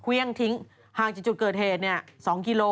เควี้ยงทิ้งห่างจากจุดเกิดเหตุเนี่ย๒กิโล